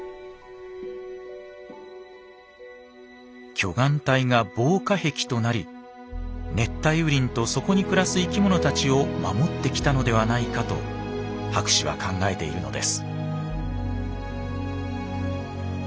巨岩帯が防火壁となり熱帯雨林とそこに暮らす生き物たちを守ってきたのではないかと博士は考えているのです。